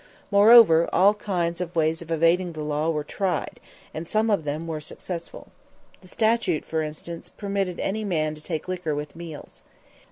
Moreover, all kinds of ways of evading the law were tried, and some of them were successful. The statute, for instance, permitted any man to take liquor with meals.